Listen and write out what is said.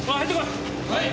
はい！